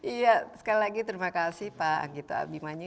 iya sekali lagi terima kasih pak anggito abimani